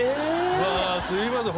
うわすいません